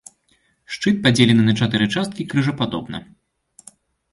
Шчыт падзелены на чатыры часткі крыжападобна.